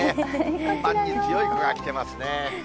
本番に強い子が来てますね。